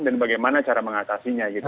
dan bagaimana cara mengatasinya gitu